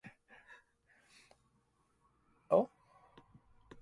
At the completion of this course, each graduate is awarded the maroon beret.